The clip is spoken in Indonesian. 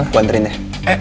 gua anterin deh